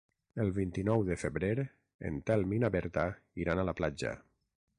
El vint-i-nou de febrer en Telm i na Berta iran a la platja.